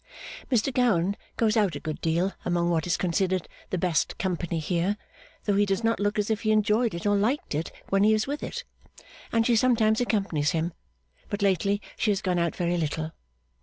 Mr Gowan goes out a good deal among what is considered the best company here though he does not look as if he enjoyed it or liked it when he is with it and she sometimes accompanies him, but lately she has gone out very little.